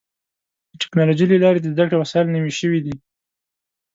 د ټکنالوجۍ له لارې د زدهکړې وسایل نوي شوي دي.